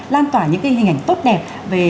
lan tỏa những cái hình ảnh tốt đẹp về